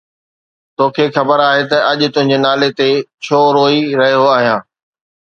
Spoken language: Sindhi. توکي خبر آهي ته اڄ تنهنجي نالي تي ڇو روئي رهيو آهيان؟